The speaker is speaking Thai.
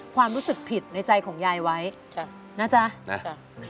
ความรู้สึกผิดในใจของยายไว้นะจ๊ะบ๊วยบ๊วยบ๊วยใช่